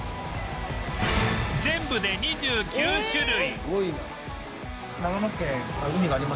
全部で２９種類